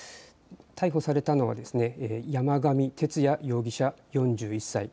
逮捕されたのは山上徹也容疑者、４１歳。